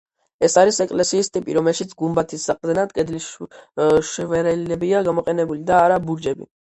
ეს არის ეკლესიის ტიპი, რომელშიც გუმბათის საყრდენად კედლის შვერილებია გამოყენებული და არა ბურჯები.